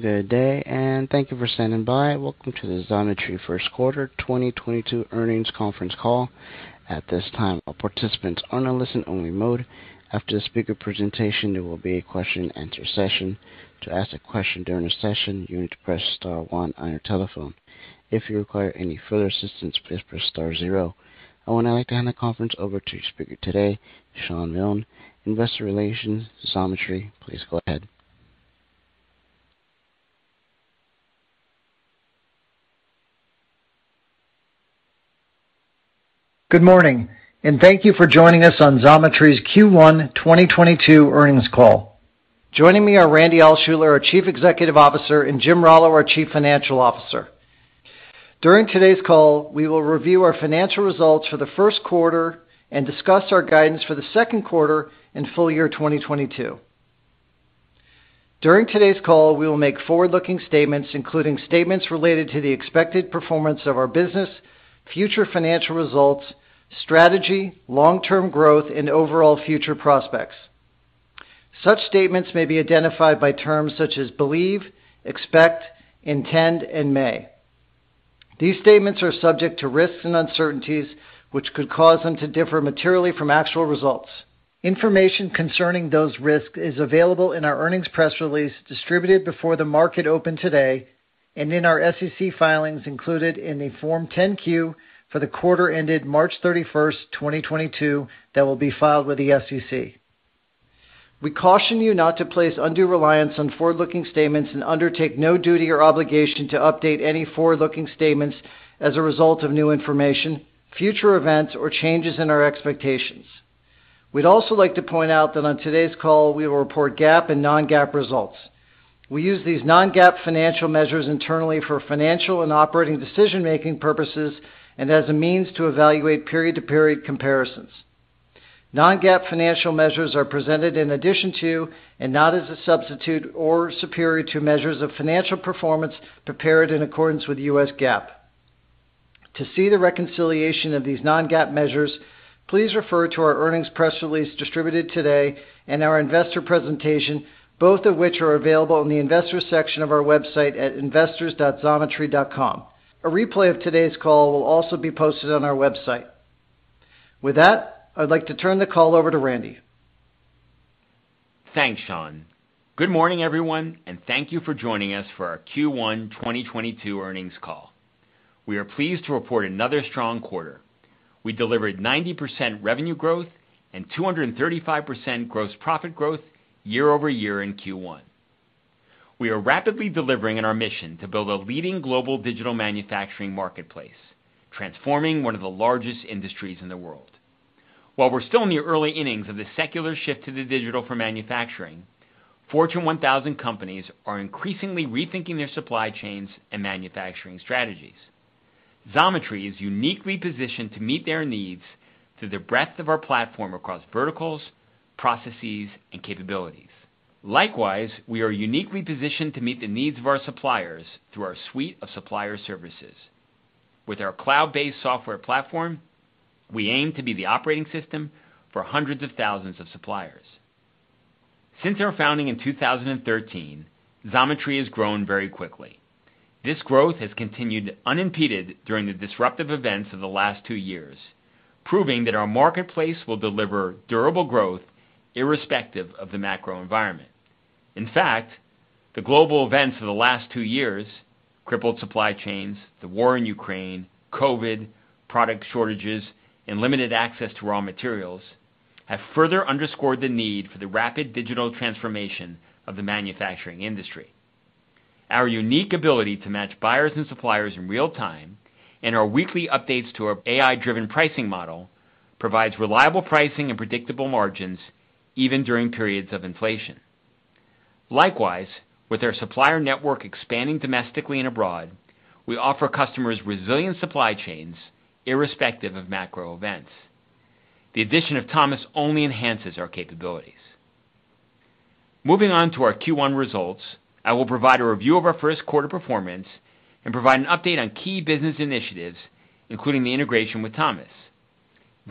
Good day, and thank you for standing by. Welcome to the Xometry first quarter 2022 earnings conference call. At this time, all participants are in a listen only mode. After the speaker presentation, there will be a question and answer session. To ask a question during the session, you need to press star one on your telephone. If you require any further assistance, please press star zero. I would now like to hand the conference over to your speaker today, Shawn Milne, Investor Relations, Xometry. Please go ahead. Good morning, and thank you for joining us on Xometry's Q1 2022 earnings call. Joining me are Randy Altschuler, our Chief Executive Officer, and Jim Rallo, our Chief Financial Officer. During today's call, we will review our financial results for the first quarter and discuss our guidance for the second quarter and full year 2022. During today's call, we will make forward-looking statements, including statements related to the expected performance of our business, future financial results, strategy, long-term growth, and overall future prospects. Such statements may be identified by terms such as believe, expect, intend, and may. These statements are subject to risks and uncertainties, which could cause them to differ materially from actual results. Information concerning those risks is available in our earnings press release distributed before the market opened today, and in our SEC filings included in the Form 10-Q for the quarter ended March 31, 2022, that will be filed with the SEC. We caution you not to place undue reliance on forward-looking statements and undertake no duty or obligation to update any forward-looking statements as a result of new information, future events, or changes in our expectations. We'd also like to point out that on today's call, we will report GAAP and non-GAAP results. We use these non-GAAP financial measures internally for financial and operating decision-making purposes and as a means to evaluate period-to-period comparisons. Non-GAAP financial measures are presented in addition to and not as a substitute or superior to measures of financial performance prepared in accordance with US GAAP. To see the reconciliation of these non-GAAP measures, please refer to our earnings press release distributed today and our investor presentation, both of which are available in the Investors section of our website at investors.xometry.com. A replay of today's call will also be posted on our website. With that, I'd like to turn the call over to Randy. Thanks, Shawn. Good morning, everyone, and thank you for joining us for our Q1 2022 earnings call. We are pleased to report another strong quarter. We delivered 90% revenue growth and 235% gross profit growth year-over-year in Q1. We are rapidly delivering in our mission to build a leading global digital manufacturing marketplace, transforming one of the largest industries in the world. While we're still in the early innings of the secular shift to the digital for manufacturing, Fortune 1000 companies are increasingly rethinking their supply chains and manufacturing strategies. Xometry is uniquely positioned to meet their needs through the breadth of our platform across verticals, processes, and capabilities. Likewise, we are uniquely positioned to meet the needs of our suppliers through our suite of supplier services. With our cloud-based software platform, we aim to be the operating system for hundreds of thousands of suppliers. Since our founding in 2013, Xometry has grown very quickly. This growth has continued unimpeded during the disruptive events of the last two years, proving that our marketplace will deliver durable growth irrespective of the macro environment. In fact, the global events of the last two years, crippled supply chains, the war in Ukraine, COVID, product shortages, and limited access to raw materials, have further underscored the need for the rapid digital transformation of the manufacturing industry. Our unique ability to match buyers and suppliers in real time and our weekly updates to our AI-driven pricing model provides reliable pricing and predictable margins, even during periods of inflation. Likewise, with our supplier network expanding domestically and abroad, we offer customers resilient supply chains irrespective of macro events. The addition of Thomas only enhances our capabilities. Moving on to our Q1 results, I will provide a review of our first quarter performance and provide an update on key business initiatives, including the integration with Thomas.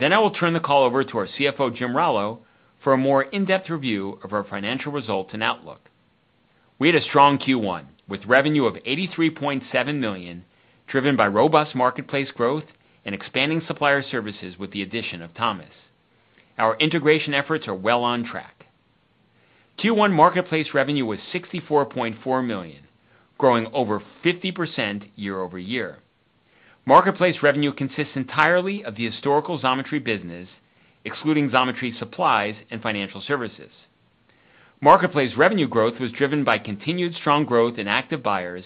I will turn the call over to our CFO, Jim Rallo, for a more in-depth review of our financial results and outlook. We had a strong Q1, with revenue of $83.7 million, driven by robust marketplace growth and expanding supplier services with the addition of Thomas. Our integration efforts are well on track. Q1 marketplace revenue was $64.4 million, growing over 50% year-over-year. Marketplace revenue consists entirely of the historical Xometry business, excluding Xometry Supplies and financial services. Marketplace revenue growth was driven by continued strong growth in active buyers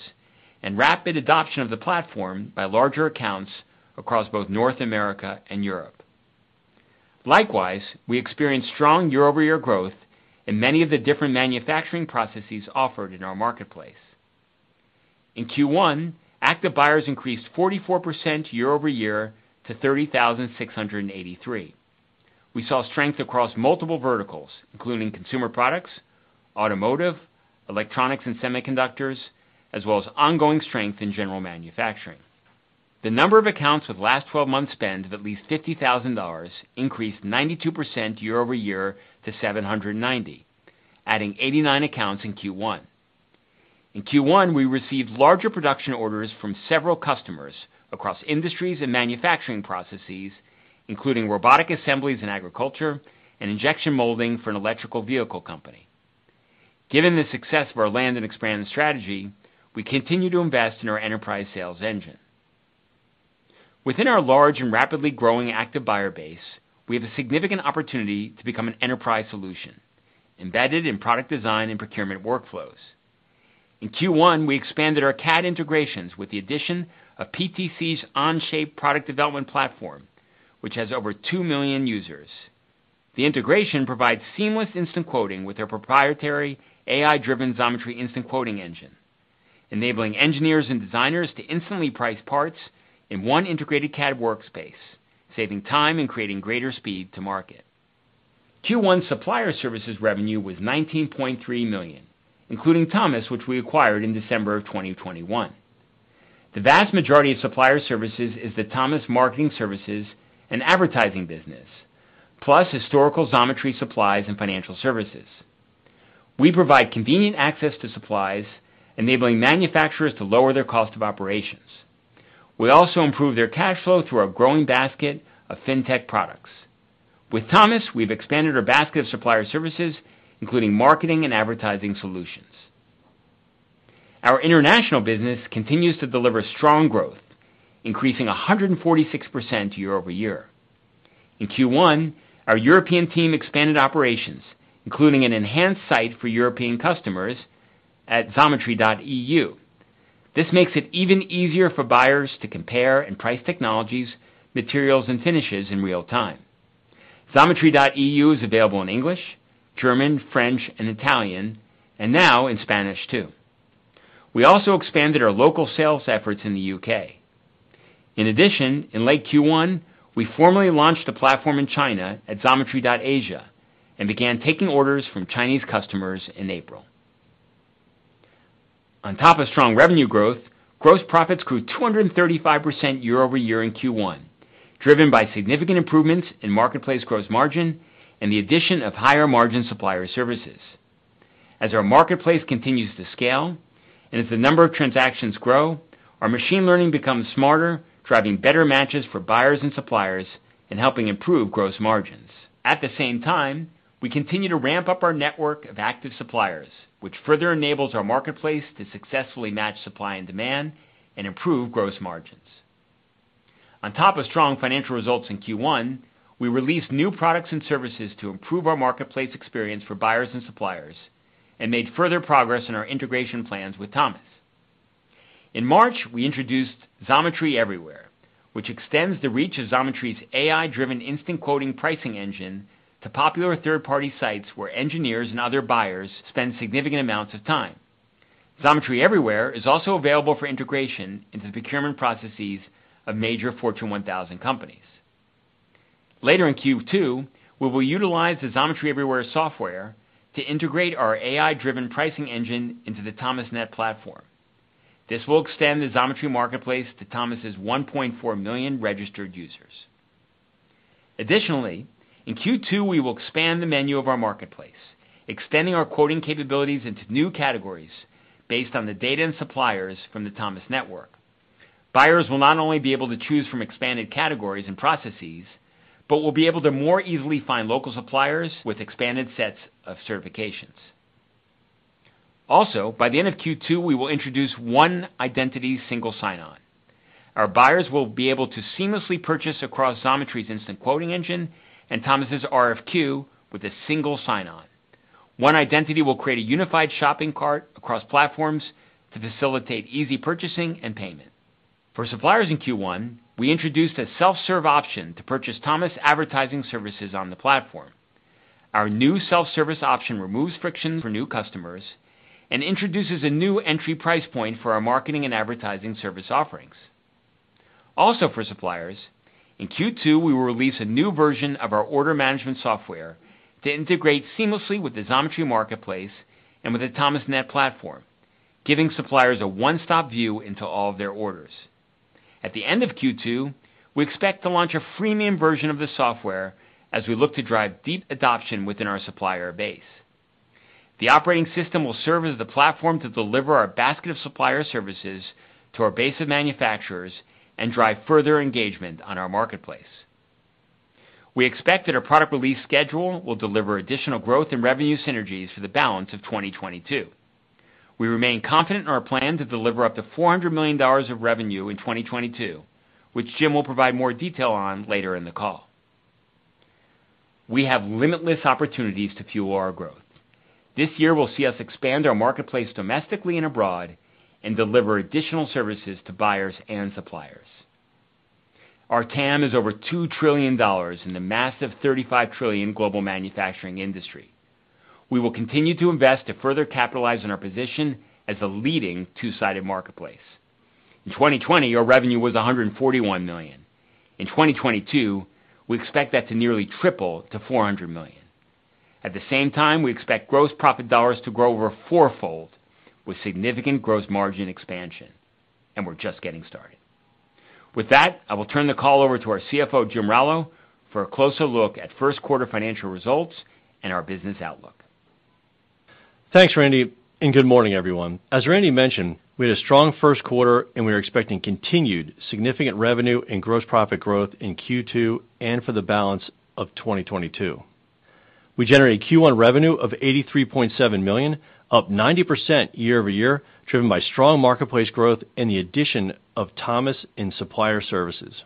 and rapid adoption of the platform by larger accounts across both North America and Europe. Likewise, we experienced strong year-over-year growth in many of the different manufacturing processes offered in our marketplace. In Q1, active buyers increased 44% year-over-year to 30,683. We saw strength across multiple verticals, including consumer products, automotive, electronics and semiconductors, as well as ongoing strength in general manufacturing. The number of accounts with last twelve months spend of at least $50,000 increased 92% year-over-year to 790, adding 89 accounts in Q1. In Q1, we received larger production orders from several customers across industries and manufacturing processes, including robotic assemblies in agriculture and injection molding for an electric vehicle company. Given the success of our land and expand strategy, we continue to invest in our enterprise sales engine. Within our large and rapidly growing active buyer base, we have a significant opportunity to become an enterprise solution embedded in product design and procurement workflows. In Q1, we expanded our CAD integrations with the addition of PTC's Onshape product development platform, which has over 2 million users. The integration provides seamless instant quoting with their proprietary AI-driven Xometry Instant Quoting Engine, enabling engineers and designers to instantly price parts in one integrated CAD workspace, saving time and creating greater speed to market. Q1 supplier services revenue was $19.3 million, including Thomas, which we acquired in December 2021. The vast majority of supplier services is the Thomas marketing services and advertising business, plus historical Xometry Supplies and financial services. We provide convenient access to supplies, enabling manufacturers to lower their cost of operations. We also improve their cash flow through our growing basket of fintech products. With Thomas, we've expanded our basket of supplier services, including marketing and advertising solutions. Our international business continues to deliver strong growth, increasing 146% year-over-year. In Q1, our European team expanded operations, including an enhanced site for European customers at xometry.eu. This makes it even easier for buyers to compare and price technologies, materials, and finishes in real time. Xometry.eu is available in English, German, French, and Italian, and now in Spanish too. We also expanded our local sales efforts in the UK. In addition, in late Q1, we formally launched the platform in China at Xometry.Asia and began taking orders from Chinese customers in April. On top of strong revenue growth, gross profits grew 235% year-over-year in Q1, driven by significant improvements in marketplace gross margin and the addition of higher margin supplier services. As our marketplace continues to scale and as the number of transactions grow, our machine learning becomes smarter, driving better matches for buyers and suppliers and helping improve gross margins. At the same time, we continue to ramp up our network of active suppliers, which further enables our marketplace to successfully match supply and demand and improve gross margins. On top of strong financial results in Q1, we released new products and services to improve our marketplace experience for buyers and suppliers and made further progress in our integration plans with Thomas. In March, we introduced Xometry Everywhere, which extends the reach of Xometry's AI-driven instant quoting and pricing engine to popular third-party sites where engineers and other buyers spend significant amounts of time. Xometry Everywhere is also available for integration into the procurement processes of major Fortune 1000 companies. Later in Q2, we will utilize the Xometry Everywhere software to integrate our AI-driven pricing engine into the Thomasnet platform. This will extend the Xometry marketplace to Thomasnet's 1.4 million registered users. Additionally, in Q2, we will expand the menu of our marketplace, extending our quoting capabilities into new categories based on the data and suppliers from the Thomasnet network. Buyers will not only be able to choose from expanded categories and processes, but will be able to more easily find local suppliers with expanded sets of certifications. Also, by the end of Q2, we will introduce One Identity single sign-on. Our buyers will be able to seamlessly purchase across Xometry's Instant Quoting Engine and Thomasnet's RFQ with a single sign-on. One Identity will create a unified shopping cart across platforms to facilitate easy purchasing and payment. For suppliers in Q1, we introduced a self-serve option to purchase Thomasnet advertising services on the platform. Our new self-service option removes friction for new customers and introduces a new entry price point for our marketing and advertising service offerings. Also, for suppliers, in Q2, we will release a new version of our order management software to integrate seamlessly with the Xometry marketplace and with the Thomasnet platform, giving suppliers a one-stop view into all of their orders. At the end of Q2, we expect to launch a freemium version of the software as we look to drive deep adoption within our supplier base. The operating system will serve as the platform to deliver our basket of supplier services to our base of manufacturers and drive further engagement on our marketplace. We expect that our product release schedule will deliver additional growth in revenue synergies for the balance of 2022. We remain confident in our plan to deliver up to $400 million of revenue in 2022, which Jim will provide more detail on later in the call. We have limitless opportunities to fuel our growth. This year will see us expand our marketplace domestically and abroad and deliver additional services to buyers and suppliers. Our TAM is over $2 trillion in the massive $35 trillion global manufacturing industry. We will continue to invest to further capitalize on our position as a leading two-sided marketplace. In 2020, our revenue was $141 million. In 2022, we expect that to nearly triple to $400 million. At the same time, we expect gross profit dollars to grow over four-fold with significant gross margin expansion, and we're just getting started. With that, I will turn the call over to our CFO, Jim Rallo, for a closer look at first quarter financial results and our business outlook. Thanks, Randy, and good morning, everyone. As Randy mentioned, we had a strong first quarter, and we are expecting continued significant revenue and gross profit growth in Q2 and for the balance of 2022. We generated Q1 revenue of $83.7 million, up 90% year-over-year, driven by strong marketplace growth and the addition of Thomas in Supplier Services.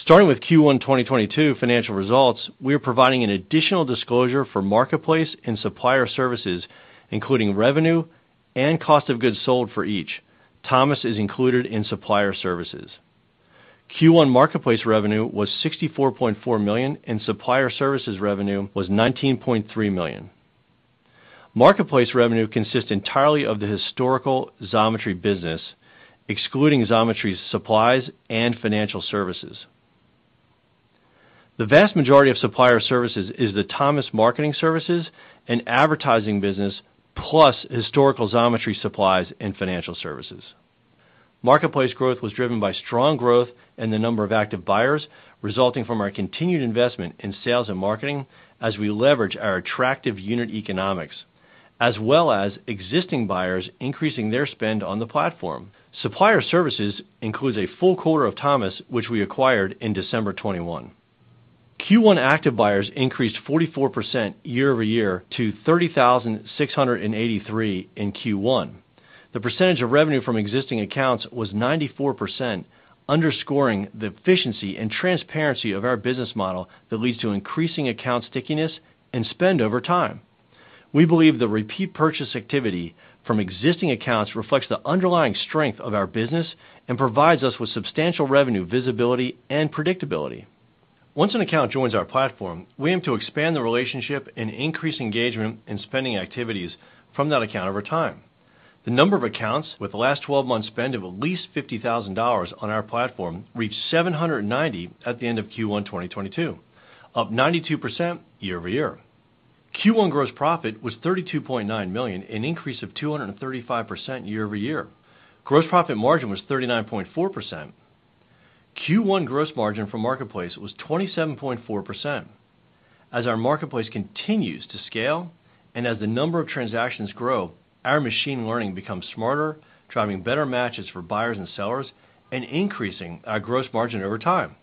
Starting with Q1 2022 financial results, we are providing an additional disclosure for Marketplace and Supplier Services, including revenue and cost of goods sold for each. Thomas is included in Supplier Services. Q1 Marketplace revenue was $64.4 million, and Supplier Services revenue was $19.3 million. Marketplace revenue consists entirely of the historical Xometry business, excluding Xometry's supplies and financial services. The vast majority of Supplier Services is the Thomas marketing services and advertising business, plus historical Xometry supplies and financial services. Marketplace growth was driven by strong growth in the number of active buyers resulting from our continued investment in sales and marketing as we leverage our attractive unit economics, as well as existing buyers increasing their spend on the platform. Supplier Services includes a full quarter of Thomas, which we acquired in December 2021. Q1 active buyers increased 44% year-over-year to 30,683 in Q1. The percentage of revenue from existing accounts was 94%, underscoring the efficiency and transparency of our business model that leads to increasing account stickiness and spend over time. We believe the repeat purchase activity from existing accounts reflects the underlying strength of our business and provides us with substantial revenue visibility and predictability. Once an account joins our platform, we aim to expand the relationship and increase engagement in spending activities from that account over time. The number of accounts with the last twelve months spend of at least $50,000 on our platform reached 790 at the end of Q1 2022, up 92% year-over-year. Q1 gross profit was $32.9 million, an increase of 235% year-over-year. Gross profit margin was 39.4%. Q1 gross margin for Marketplace was 27.4%. As our marketplace continues to scale and as the number of transactions grow, our machine learning becomes smarter, driving better matches for buyers and sellers and increasing our gross margin over time.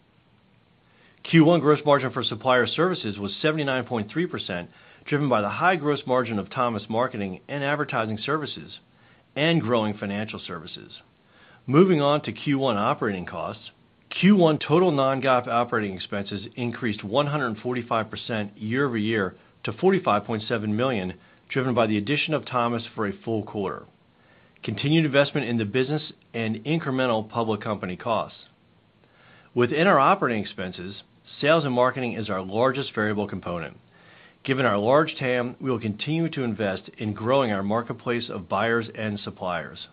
Q1 gross margin for Supplier Services was 79.3%, driven by the high gross margin of Thomas marketing and advertising services and growing financial services. Moving on to Q1 operating costs. Q1 total non-GAAP operating expenses increased 145% year-over-year to $45.7 million, driven by the addition of Thomas for a full quarter, continued investment in the business and incremental public company costs. Within our operating expenses, sales and marketing is our largest variable component. Given our large TAM, we will continue to invest in growing our marketplace of buyers and suppliers.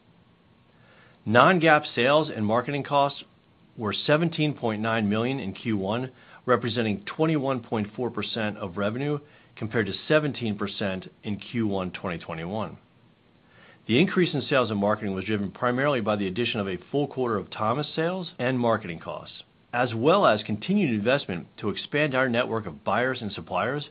Non-GAAP sales and marketing costs were $17.9 million in Q1, representing 21.4% of revenue compared to 17% in Q1 2021. The increase in sales and marketing was driven primarily by the addition of a full quarter of Thomas sales and marketing costs, as well as continued investment to expand our network of buyers and suppliers,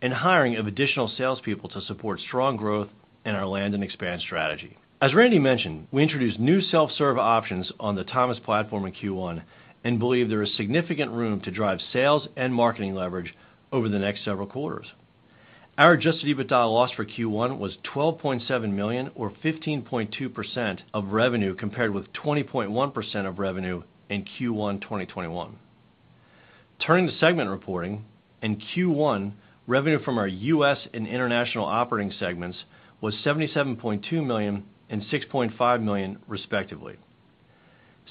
and hiring of additional salespeople to support strong growth in our land and expand strategy. As Randy mentioned, we introduced new self-serve options on the Thomas platform in Q1 and believe there is significant room to drive sales and marketing leverage over the next several quarters. Our adjusted EBITDA loss for Q1 was $12.7 million or 15.2% of revenue compared with 20.1% of revenue in Q1 2021. Turning to segment reporting. In Q1, revenue from our U.S. and international operating segments was $77.2 million and $6.5 million, respectively.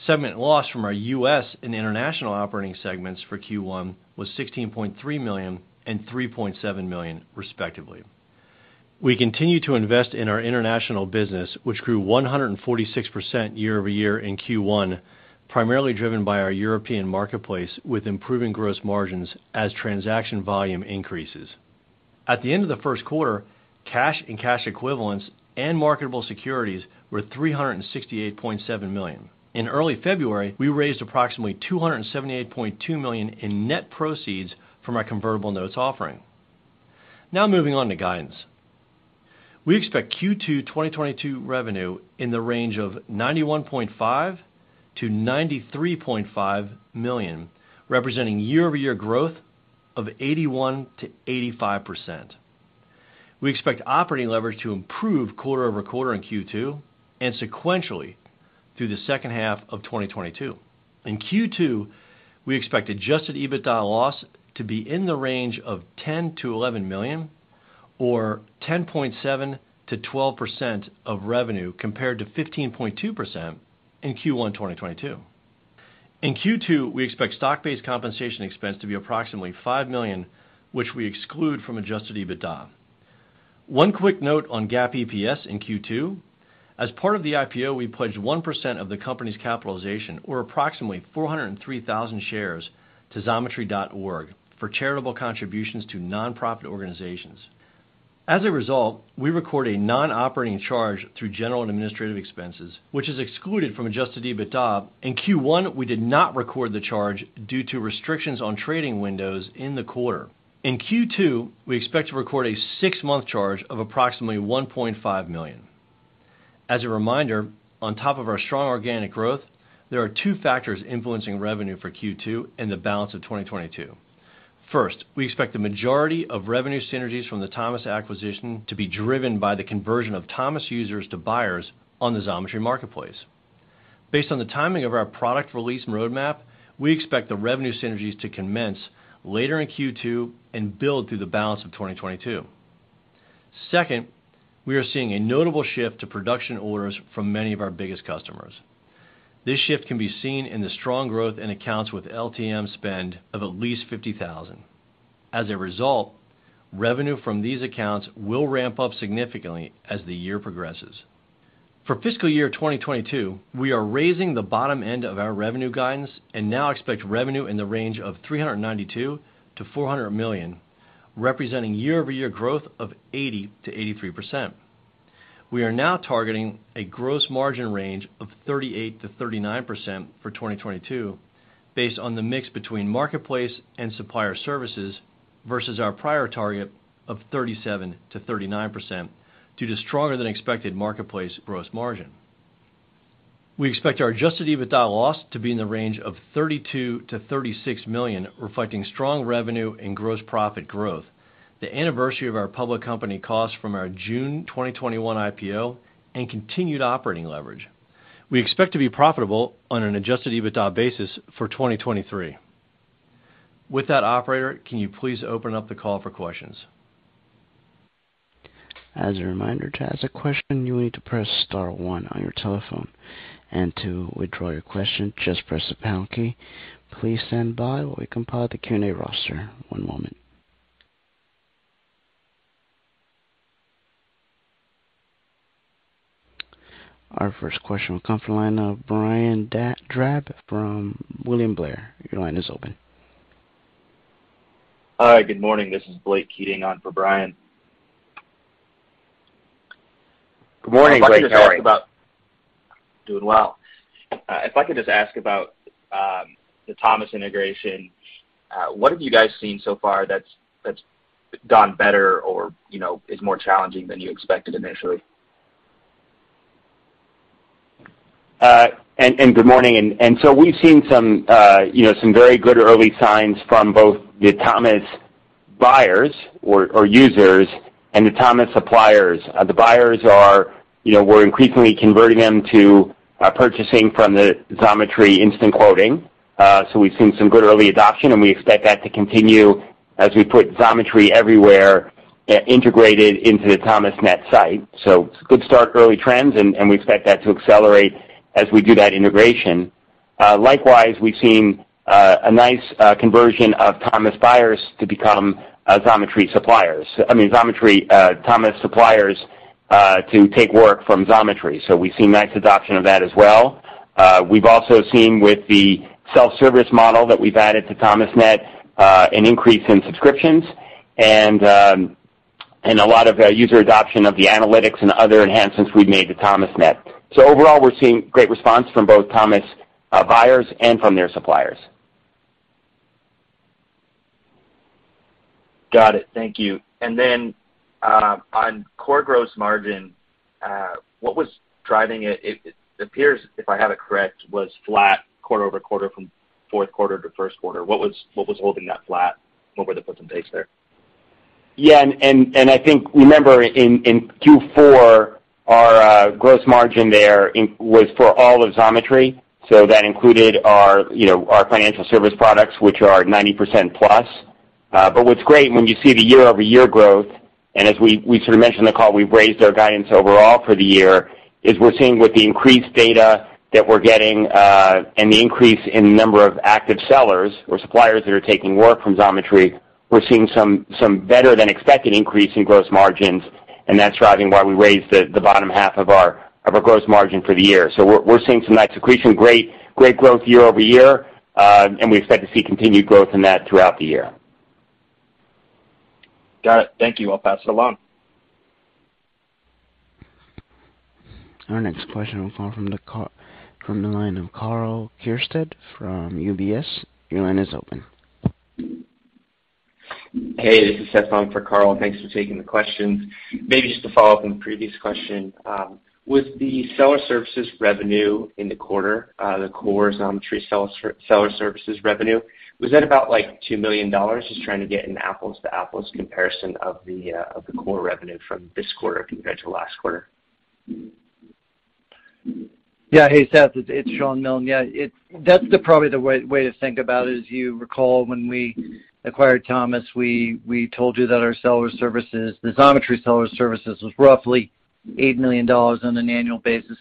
Segment loss from our U.S. and international operating segments for Q1 was $16.3 million and $3.7 million, respectively. We continue to invest in our international business, which grew 146% year-over-year in Q1, primarily driven by our European marketplace, with improving gross margins as transaction volume increases. At the end of the first quarter, cash and cash equivalents and marketable securities were $368.7 million. In early February, we raised approximately $278.2 million in net proceeds from our convertible notes offering. Now moving on to guidance. We expect Q2 2022 revenue in the range of $91.5-$93.5 million, representing year-over-year growth of 81%-85%. We expect operating leverage to improve quarter-over-quarter in Q2 and sequentially through the second half of 2022. In Q2, we expect adjusted EBITDA loss to be in the range of $10-$11 million or 10.7%-12% of revenue, compared to 15.2% in Q1 2022. In Q2, we expect stock-based compensation expense to be approximately $5 million, which we exclude from adjusted EBITDA. One quick note on GAAP EPS in Q2. As part of the IPO, we pledged 1% of the company's capitalization or approximately 403,000 shares to Xometry.org for charitable contributions to nonprofit organizations. As a result, we record a non-operating charge through general and administrative expenses, which is excluded from adjusted EBITDA. In Q1, we did not record the charge due to restrictions on trading windows in the quarter. In Q2, we expect to record a six-month charge of approximately $1.5 million. As a reminder, on top of our strong organic growth, there are two factors influencing revenue for Q2 and the balance of 2022. First, we expect the majority of revenue synergies from the Thomas acquisition to be driven by the conversion of Thomas users to buyers on the Xometry marketplace. Based on the timing of our product release roadmap, we expect the revenue synergies to commence later in Q2 and build through the balance of 2022. Second, we are seeing a notable shift to production orders from many of our biggest customers. This shift can be seen in the strong growth in accounts with LTM spend of at least $50,000. As a result, revenue from these accounts will ramp up significantly as the year progresses. For fiscal year 2022, we are raising the bottom end of our revenue guidance and now expect revenue in the range of $392 million-$400 million, representing year-over-year growth of 80%-83%. We are now targeting a gross margin range of 38%-39% for 2022 based on the mix between marketplace and supplier services versus our prior target of 37%-39% due to stronger than expected marketplace gross margin. We expect our adjusted EBITDA loss to be in the range of $32 million-$36 million, reflecting strong revenue and gross profit growth, the anniversary of our public company costs from our June 2021 IPO, and continued operating leverage. We expect to be profitable on an adjusted EBITDA basis for 2023. With that, operator, can you please open up the call for questions? As a reminder, to ask a question, you need to press star one on your telephone. To withdraw your question, just press the pound key. Please stand by while we compile the Q&A roster. One moment. Our first question will come from the line of Brian Drab from William Blair. Your line is open. Hi. Good morning. This is Blake Keating on for Brian. Good morning, Blake. How are you? Doing well. If I could just ask about the Thomas integration. What have you guys seen so far that's gone better or, you know, is more challenging than you expected initially? Good morning. We've seen some you know, some very good early signs from both the Thomas buyers or users and the Thomas suppliers. The buyers are you know, we're increasingly converting them to purchasing from the Xometry Instant Quoting. We've seen some good early adoption, and we expect that to continue as we put Xometry Everywhere integrated into the Thomasnet site. It's a good start, early trends, and we expect that to accelerate as we do that integration. Likewise, we've seen a nice conversion of Thomas buyers to become Xometry suppliers. I mean Thomas suppliers to take work from Xometry. We've seen nice adoption of that as well. We've also seen with the self-service model that we've added to Thomasnet an increase in subscriptions and a lot of user adoption of the analytics and other enhancements we've made to Thomasnet. Overall, we're seeing great response from both Thomasnet buyers and from their suppliers. Got it. Thank you. On core gross margin, what was driving it? It appears, if I have it correct, was flat quarter-over-quarter from fourth quarter to first quarter. What was holding that flat? What were the puts and takes there? I think remember in Q4, our gross margin there was for all of Xometry, so that included our, you know, our financial service products, which are 90%+. But what's great when you see the year-over-year growth, and as we sort of mentioned in the call, we've raised our guidance overall for the year, is we're seeing with the increased data that we're getting, and the increase in number of active sellers or suppliers that are taking work from Xometry, we're seeing some better than expected increase in gross margins, and that's driving why we raised the bottom half of our gross margin for the year. We're seeing some nice accretion, great growth year-over-year, and we expect to see continued growth in that throughout the year. Got it. Thank you. I'll pass it along. Our next question will come from the line of Karl Keirstead from UBS. Your line is open. Hey, this is Seth on for Karl. Thanks for taking the questions. Maybe just to follow up on the previous question, with the seller services revenue in the quarter, the core Xometry seller services revenue, was that about like $2 million? Just trying to get an apples-to-apples comparison of the core revenue from this quarter compared to last quarter. Yeah. Hey, Seth. It's Shawn Milne. Yeah, that's probably the way to think about it is you recall when we acquired Thomas, we told you that our seller services, the Xometry seller services was roughly $8 million on an annual basis.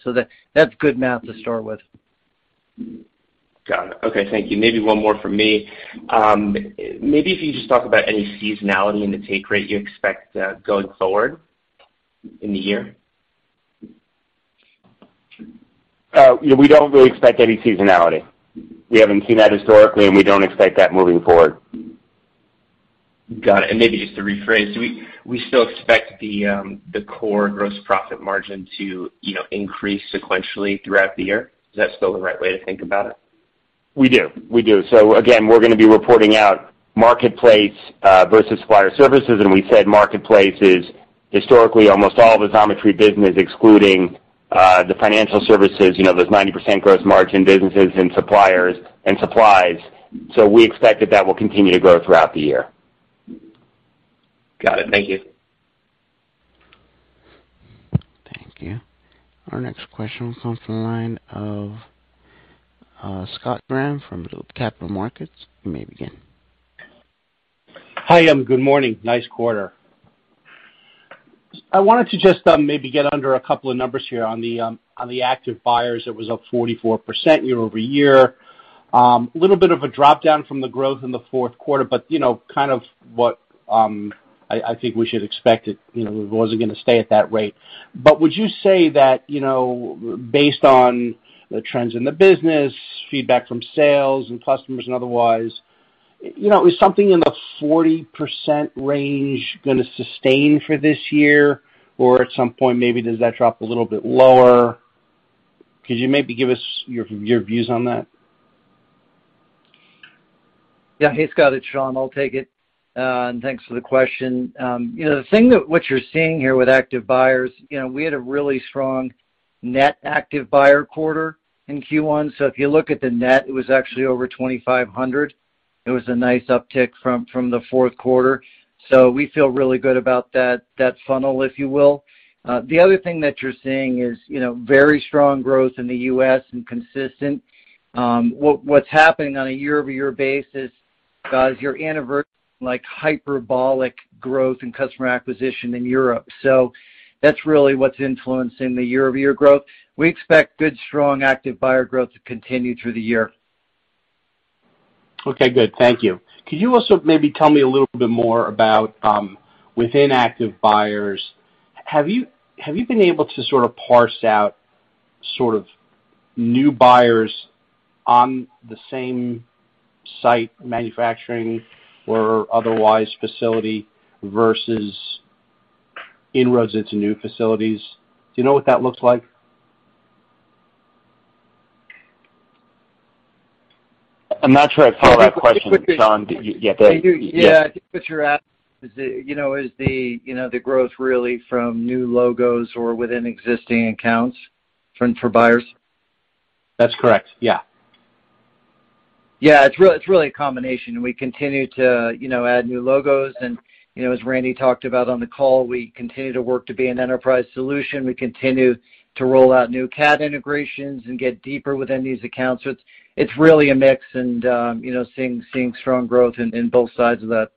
That's good math to start with. Got it. Okay. Thank you. Maybe one more from me. Maybe if you just talk about any seasonality in the take rate you expect, going forward in the year? Yeah, we don't really expect any seasonality. We haven't seen that historically, and we don't expect that moving forward. Got it. Maybe just to rephrase, do we still expect the core gross profit margin to, you know, increase sequentially throughout the year? Is that still the right way to think about it? We do. Again, we're gonna be reporting our marketplace versus supplier services, and we said marketplace is historically almost all of Xometry business excluding the financial services, you know, those 90% gross margin businesses and suppliers and supplies. We expect that will continue to grow throughout the year. Got it. Thank you. Thank you. Our next question comes from the line of, Scott Graham from Loop Capital Markets. You may begin. Hi, good morning. Nice quarter. I wanted to just maybe get under a couple of numbers here on the active buyers that was up 44% year-over-year. A little bit of a drop-down from the growth in the fourth quarter, but you know, kind of what I think we should expect it, you know, it wasn't gonna stay at that rate. Would you say that, you know, based on the trends in the business, feedback from sales and customers and otherwise, you know, is something in the 40% range gonna sustain for this year or at some point maybe does that drop a little bit lower? Could you maybe give us your views on that? Yeah. Hey, Scott, it's Shawn. I'll take it. Thanks for the question. You know, the thing that you're seeing here with active buyers, you know, we had a really strong net active buyer quarter in Q1. If you look at the net, it was actually over 2,500. It was a nice uptick from the fourth quarter. We feel really good about that funnel, if you will. The other thing that you're seeing is, you know, very strong growth in the U.S. and consistent. What's happening on a year-over-year basis, Scott, is you're in a very like hyperbolic growth in customer acquisition in Europe. That's really what's influencing the year-over-year growth. We expect good, strong active buyer growth to continue through the year. Okay, good. Thank you. Could you also maybe tell me a little bit more about, within active buyers, have you been able to sort of parse out sort of new buyers on the same site manufacturing or otherwise facility versus inroads into new facilities? Do you know what that looks like? Im not sure I follow that question, Shawn. Yeah. Go ahead. Yeah. I think what you're asking is, you know, the growth really from new logos or within existing accounts for buyers? That's correct. Yeah. Yeah. It's really a combination. We continue to, you know, add new logos and, you know, as Randy talked about on the call, we continue to work to be an enterprise solution. We continue to roll out new CAD integrations and get deeper within these accounts. It's really a mix and, you know, seeing strong growth in both sides of that.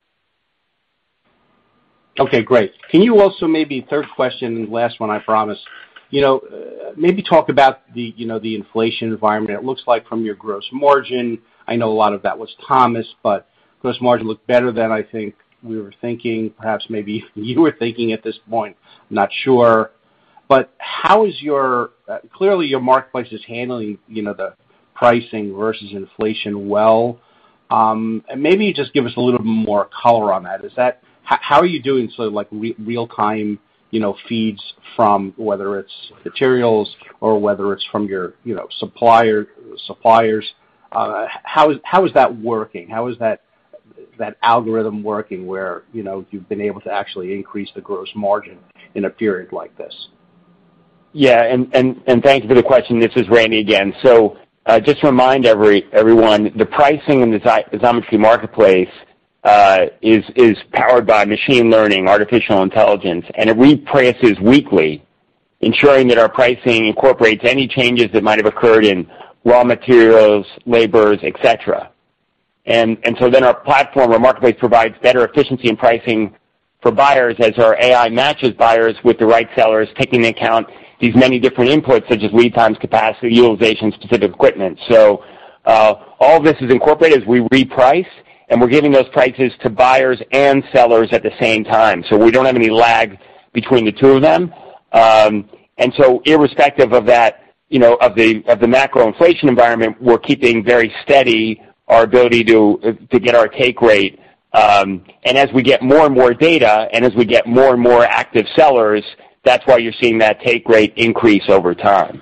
Okay, great. Can you also maybe, third question and last one, I promise. You know, maybe talk about the, you know, the inflation environment it looks like from your gross margin. I know a lot of that was Thomas, but gross margin looked better than I think we were thinking, perhaps maybe you were thinking at this point. I'm not sure. How is your. Clearly, your marketplace is handling, you know, the pricing versus inflation well. Maybe just give us a little bit more color on that. Is that. How are you doing so, like, real-time, you know, feeds from whether it's materials or whether it's from your, you know, suppliers. How is that working? How is that algorithm working where, you know, you've been able to actually increase the gross margin in a period like this? Thank you for the question. This is Randy again. Just to remind everyone, the pricing in the Xometry marketplace is powered by machine learning, artificial intelligence, and it reprices weekly, ensuring that our pricing incorporates any changes that might have occurred in raw materials, labor, etc. Our platform, our marketplace provides better efficiency in pricing for buyers as our AI matches buyers with the right sellers, taking into account these many different inputs, such as lead times, capacity, utilization, specific equipment. All this is incorporated as we reprice, and we're giving those prices to buyers and sellers at the same time. We don't have any lag between the two of them. Irrespective of that, you know, of the, of the macro inflation environment, we're keeping very steady our ability to get our take rate. As we get more and more data and as we get more and more active sellers, that's why you're seeing that take rate increase over time.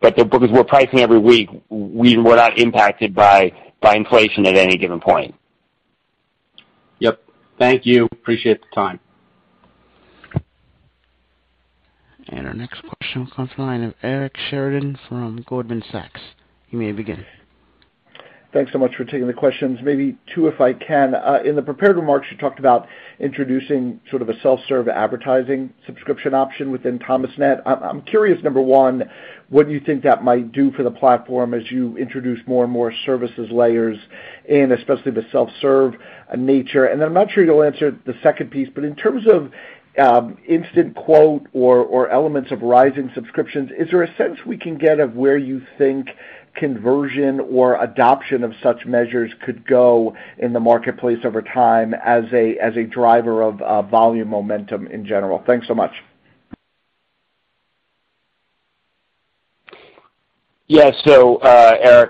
Because we're pricing every week, we're not impacted by inflation at any given point. Yep. Thank you. Appreciate the time. Our next question comes from the line of Eric Sheridan from Goldman Sachs. You may begin. Thanks so much for taking the questions. Maybe two, if I can. In the prepared remarks, you talked about introducing sort of a self-serve advertising subscription option within Thomasnet. I'm curious, number one, what do you think that might do for the platform as you introduce more and more services layers in, especially the self-serve nature? I'm not sure you'll answer the second piece, but in terms of Instant quote or elements of rising subscriptions. Is there a sense we can get of where you think conversion or adoption of such measures could go in the marketplace over time as a driver of volume momentum in general? Thanks so much. Eric,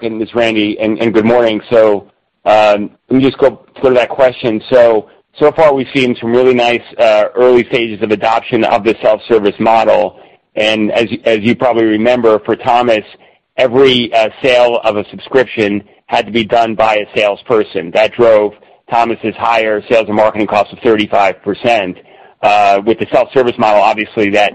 this is Randy. Good morning. Let me just go through that question. So far we've seen some really nice early stages of adoption of the self-service model. As you probably remember, for Thomas, every sale of a subscription had to be done by a salesperson. That drove Thomas' higher sales and marketing cost of 35%. With the self-service model, obviously that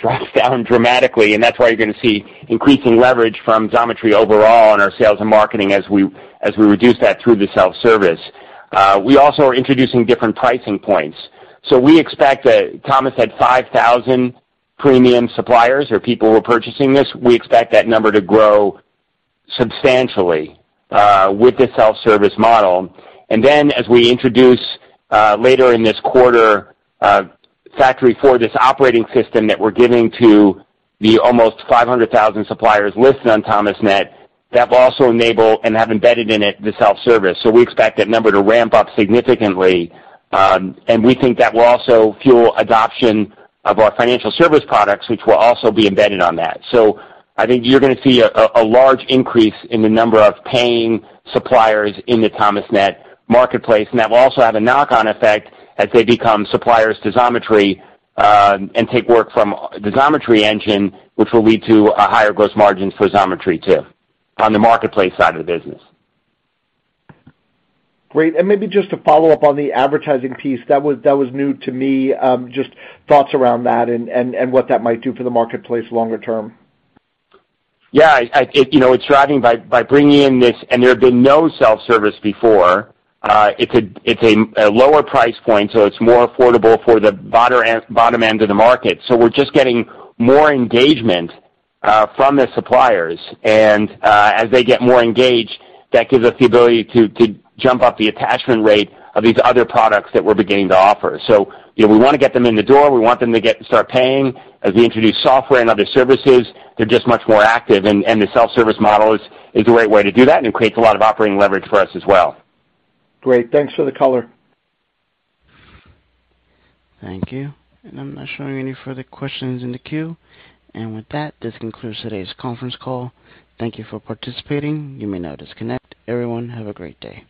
drives down dramatically, and that's why you're gonna see increasing leverage from Xometry overall on our sales and marketing as we reduce that through the self-service. We also are introducing different pricing points. We expect that Thomas had 5,000 premium suppliers or people who are purchasing this. We expect that number to grow substantially with the self-service model. As we introduce later in this quarter, Workcenter for this operating system that we're giving to the almost 500,000 suppliers listed on Thomasnet, that will also enable and have embedded in it the self-service. We expect that number to ramp up significantly, and we think that will also fuel adoption of our financial service products, which will also be embedded on that. I think you're gonna see a large increase in the number of paying suppliers in the Thomasnet marketplace, and that will also have a knock-on effect as they become suppliers to Xometry and take work from the Xometry engine, which will lead to higher gross margins for Xometry too on the marketplace side of the business. Great. Maybe just to follow up on the advertising piece. That was new to me. Just thoughts around that and what that might do for the marketplace longer term. Yeah. You know, it's driving by bringing in this. There had been no self-service before. It's a lower price point, so it's more affordable for the bottom end of the market. We're just getting more engagement from the suppliers. As they get more engaged, that gives us the ability to jump up the attachment rate of these other products that we're beginning to offer. You know, we wanna get them in the door. We want them to start paying as we introduce software and other services. They're just much more active, and the self-service model is a great way to do that, and it creates a lot of operating leverage for us as well. Great. Thanks for the color. Thank you. I'm not showing any further questions in the queue. With that, this concludes today's conference call. Thank you for participating. You may now disconnect. Everyone, have a great day.